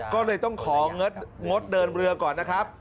ก็เลยต้องของงดเดินเรือก่อนนะครับ